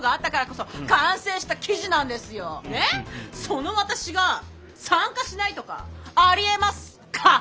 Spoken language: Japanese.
その私が参加しないとかありえますか？